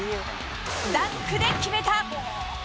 ダンクで決めた。